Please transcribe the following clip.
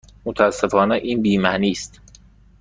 متاسفانه این بی معنی است.